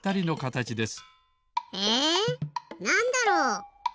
ええなんだろう？